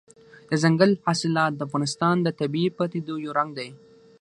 دځنګل حاصلات د افغانستان د طبیعي پدیدو یو رنګ دی.